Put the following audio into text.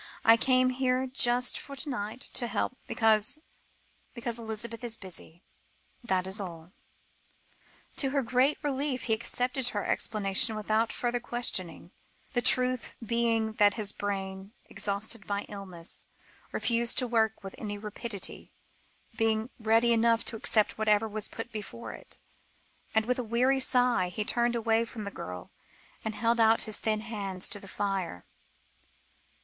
"I came here just for to night, to help because because Elizabeth is busy. That is all." To her great relief, he accepted her explanation without further questioning, the truth being that his brain, exhausted by illness, refused to work with any rapidity, being ready enough to accept whatever was put before it; and, with a weary sigh, he turned away from the girl, and held out his thin hands to the fire.